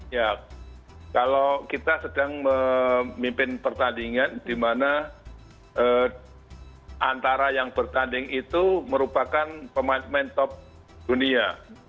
ya kalau kita sedang memimpin pertandingan di mana antara yang bertanding itu merupakan pemain top dunia